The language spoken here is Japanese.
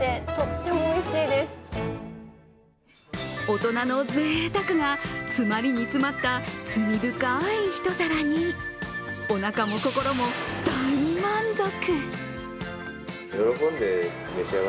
大人のぜいたくが詰まりに詰まった罪深い一皿に、おなかも心も大満足！